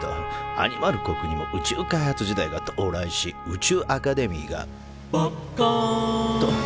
アニマル国にも宇宙開発時代が到来し宇宙アカデミーが「ばっかん！」と誕生。